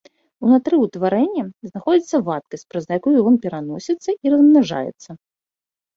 Унутры ўтварэння знаходзіцца вадкасць, праз якую ён пераносіцца і размнажаецца.